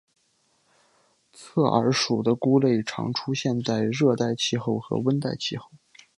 侧耳属的菇类常出现在热带气候和温带气候。